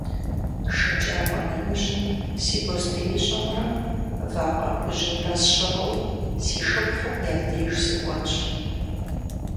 Шэджагъуэнэужьым си бостеищӏэмрэ вакъэ хужьымрэ сщыгъыу си шыпхъум я деж сыкӏуэнщ.